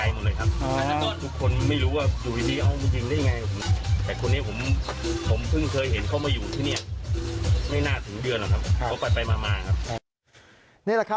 ให้เห็นการขอบฟ้านะคะ